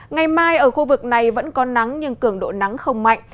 ngày mai ở khu vực này vẫn có nắng nhưng cường độ nắng không mạnh